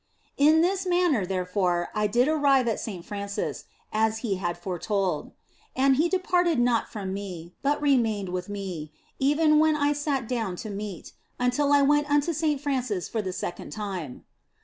In this manner, therefore, I did arrive at Saint Francis , as He had foretold. And He departed not from me, but remained with me, even when I sat down to meat, until I went unto Saint Francis for the second time.